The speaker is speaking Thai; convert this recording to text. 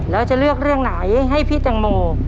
แล้วจะเลือกเรื่องไหนให้พี่แตงโม